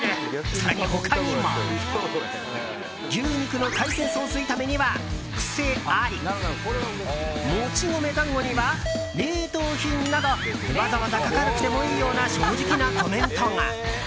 更に他にも牛肉の海鮮ソース炒めには癖ありモチ米団子には冷凍品などわざわざ書かなくてもいいような正直なコメントが。